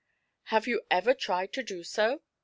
'Have you ever tried to do so ?"